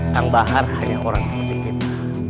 kang bahar hanya orang seperti kita